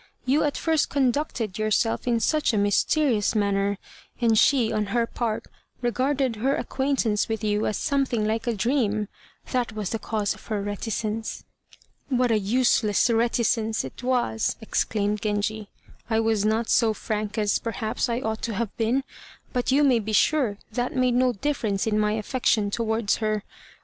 You at first conducted yourself in such a mysterious manner; and she, on her part, regarded her acquaintance with you as something like a dream. That was the cause of her reticence." "What a useless reticence it was," exclaimed Genji. "I was not so frank as, perhaps, I ought to have been; but you may be sure that made no difference in my affection towards her.